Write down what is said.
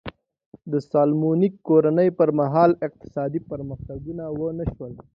د سالومونیک کورنۍ پر مهال اقتصادي پرمختګونه ونه شول.